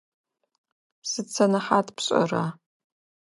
Сыд сэнэхьат пшӏэра?